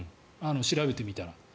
調べてみたら。